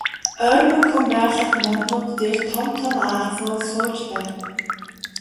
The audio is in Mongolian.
Ойрмогхон байрлах моднууд дээр том том аалзнууд сууж байна.